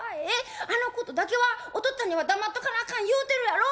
あのことだけはおとっつぁんには黙っとかなあかん言うてるやろ。